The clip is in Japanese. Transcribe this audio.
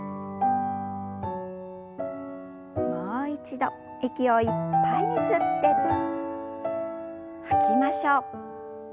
もう一度息をいっぱいに吸って吐きましょう。